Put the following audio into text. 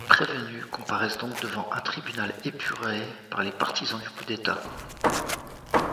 Les prévenus comparaissent donc devant un tribunal épuré par les partisans du coup d'État.